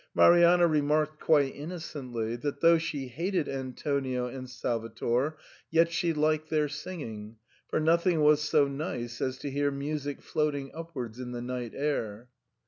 Marianna SIGNOR FORMICA. 141 remarked quite innocently that though she hated An tonio and Salvator, yet she liked their singing, for noth ing was so nice as to hear music floating upwards in the night air.